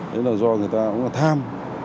đó là do người ta tham